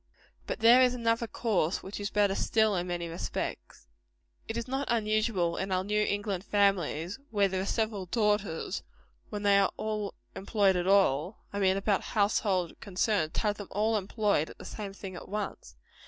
But there is another course which is better still, in many respects. It is not unusual in our New England families, where there are several daughters, when they are employed at all I mean about household concerns to have them all employed at the same thing at once.